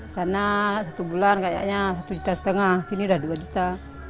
sana satu bulan kayaknya satu juta setengah sini udah dua juta